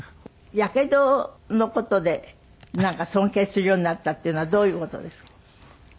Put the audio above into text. ヤケドの事でなんか尊敬するようになったっていうのはどういう事ですか？